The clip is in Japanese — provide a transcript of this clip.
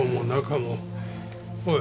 おい。